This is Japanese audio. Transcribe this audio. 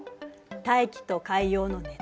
大気と海洋の熱